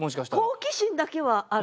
好奇心だけはある。